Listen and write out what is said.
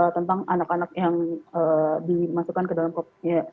tentang anak anak yang dimasukkan ke dalam kopi